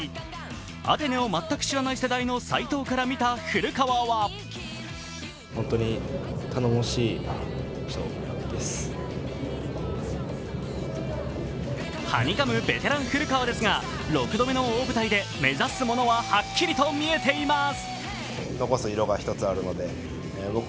アテネを全く知らない世代の斉藤から見た古川ははにかむベテラン・古川ですが６度目の大舞台で目指すものは、はっきりと見えています。